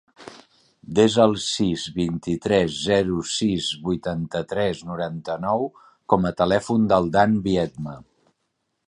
Desa el sis, vint-i-tres, zero, sis, vuitanta-tres, noranta-nou com a telèfon del Dan Viedma.